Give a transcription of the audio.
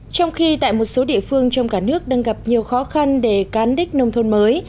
trong khi tại một số địa phương trong cả nước đang gặp nhiều khó khăn để cán đích nông thôn mới